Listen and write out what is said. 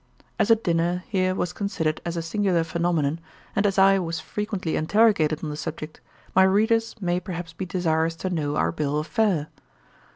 As a dinner here was considered as a singular phenomenon, and as I was frequently interrogated on the subject, my readers may perhaps be desirous to know our bill of fare.